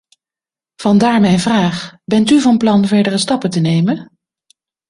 Vandaar mijn vraag: bent u van plan verdere stappen te nemen?